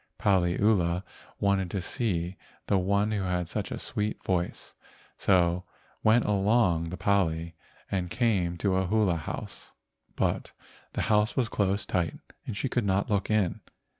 Paliula wanted to see the one who had such a sweet .voice, so went along the pali and came to a hula house, but the house was closed tight and she could not look in.